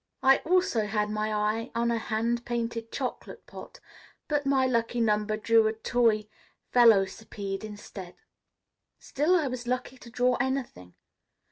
I also had my eye on a hand painted chocolate pot, but my lucky number drew a toy velocipede instead. Still I was lucky to draw anything.